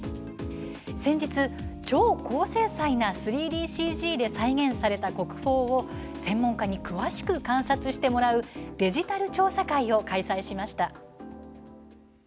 先日、超高精細な３ＤＣＧで再現された国宝を専門家に詳しく観察してもらうデジタル調査会を開催しました。